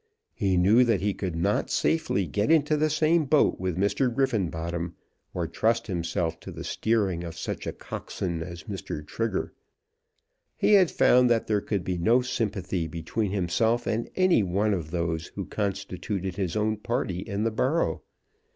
He knew that he could not safely get into the same boat with Mr. Griffenbottom, or trust himself to the steering of such a coxswain as Mr. Trigger. He had found that there could be no sympathy between himself and any one of those who constituted his own party in the borough.